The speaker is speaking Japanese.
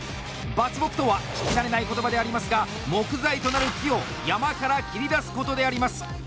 伐木とは、聞きなれない言葉でありますが木材となる木を山から伐り出すことであります。